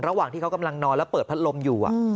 ระหว่างที่เขากำลังนอนแล้วเปิดพัดลมอยู่